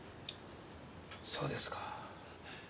そうですか。